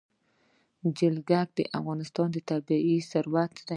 جلګه د افغانستان طبعي ثروت دی.